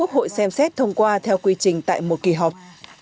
hội xem xét thông qua theo quy trình tại một kỳ họp